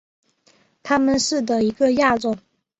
它们是的一个亚种。